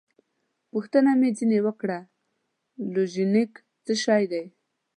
پوښتنه مې ځینې وکړه: لوژینګ څه شی دی؟